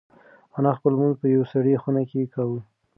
انا خپل لمونځ په یوه سړه خونه کې کاوه.